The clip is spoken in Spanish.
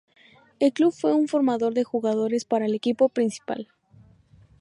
El club fue un formador de jugadores para el equipo principal.